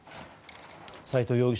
斎藤容疑者